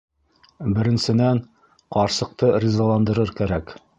Беренсенән, ҡарсыҡты ризаландырыр кәрәк...